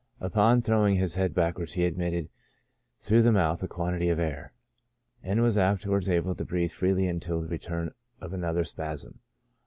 Upon throwing his head backwards he emitted through the mouth a quantity of air, and was afterwards able to breathe freely until the return of another spasm.